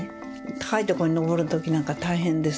高いところに登る時なんか大変です。